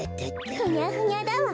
ふにゃふにゃだわ。